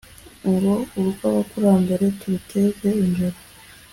Ngo urw'abakurambere turuteze imbere